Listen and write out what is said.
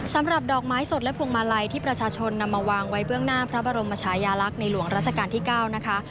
สำหรับดอกไม้สดและพวงมาลัยที่ประชาชนนำมาวางไว้เบื้องหน้าพระบรมชายาลักษณ์ในหลวงราชการที่๙นะคะ